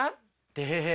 てへへ。